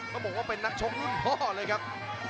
ต้องบอกว่าเป็นนักชกรุ่นพ่อเลยครับ